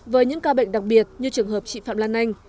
với những ca bệnh đặc biệt như trường hợp chị phạm lan anh